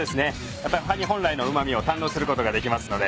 やっぱりカニ本来のうま味を堪能することができますので。